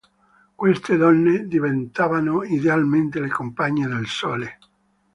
Queste donne diventavano idealmente le compagne del sole.